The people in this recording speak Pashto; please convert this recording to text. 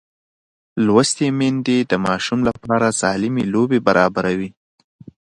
لوستې میندې د ماشوم لپاره سالمې لوبې برابروي.